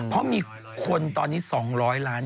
เพราะมีคนตอนนี้๒๐๐ล้าน